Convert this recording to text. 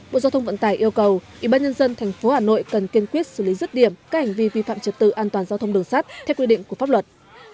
bộ giao thông vận tải yêu cầu ủy ban nhân dân tp hà nội cần kiên quyết xử lý rứt điểm các hành vi vi phạm trật tự an toàn giao thông đường sát theo quy định của pháp luật